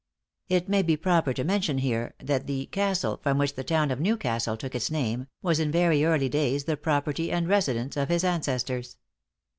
It may be proper to mention here that the castle from which the town of New Castle took its name, was in very early days the property and residence of his ancestors.